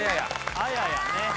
あややね